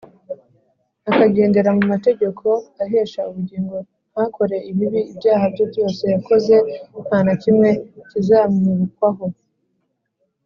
akagendera mu mategeko ahesha ubugingo ntakore ibibi, ibyaha bye byose yakoze nta na kimwe kizamwibukwaho